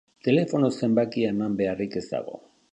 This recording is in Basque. Telefono zenbakia eman beharrik ez dago.